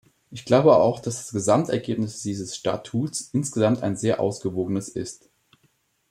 Ich glaube auch, dass das Gesamtergebnis dieses Statuts insgesamt ein sehr ausgewogenes ist.